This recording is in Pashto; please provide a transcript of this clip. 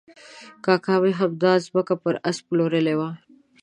کاکا مې همدا ځمکه پر آس پلورلې وه.